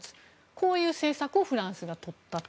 こういう政策をフランスが取ったと。